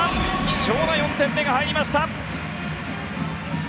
貴重な４点目が入りました。